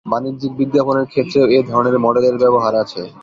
বাণিজ্যিক বিজ্ঞাপনের ক্ষেত্রেও এ ধরনের মডেলের ব্যবহার আছে।